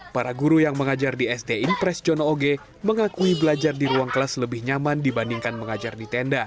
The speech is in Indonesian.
para guru yang mengajar di sd impres jono oge mengakui belajar di ruang kelas lebih nyaman dibandingkan mengajar di tenda